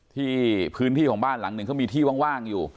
ที่พื้นที่ของบ้านหลังหนึ่งเขามีที่ว่างอยู่